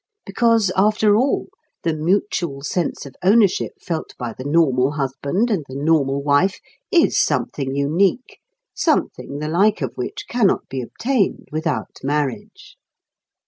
Because, after all, the mutual sense of ownership felt by the normal husband and the normal wife is something unique, something the like of which cannot be obtained without marriage.